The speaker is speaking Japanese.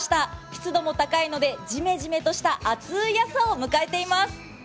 湿度も高いので、ジメジメとした暑い朝を迎えています。